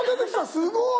すごい！